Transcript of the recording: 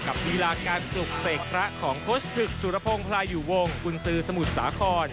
กับธีระจำการโรคเสกพระของโทษซึกสูรพลงพูดอยู่วงกุญสูตรสมุทรสาทขอน